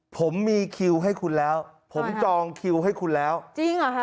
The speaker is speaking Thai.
ผมมีคิวให้คุณแล้วผมจองคิวให้คุณแล้วจริงเหรอฮะ